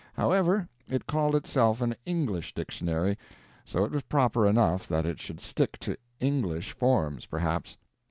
However, it called itself an English Dictionary, so it was proper enough that it should stick to English forms, perhaps.